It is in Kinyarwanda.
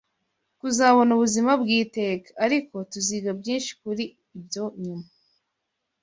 kuzabona ubuzima bw’iteka. Ariko, tuziga byinshi kuri ibyo nyuma